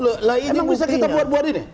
emang bisa kita buat buat ini